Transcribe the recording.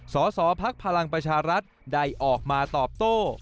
สอสอภักดิ์พลังประชารัฐได้ออกมาตอบโต